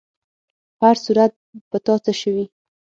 په هر صورت، په تا څه شوي؟